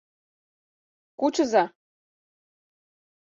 — Кучыза!